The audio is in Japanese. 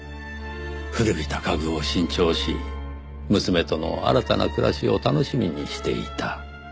古びた家具を新調し娘との新たな暮らしを楽しみにしていた。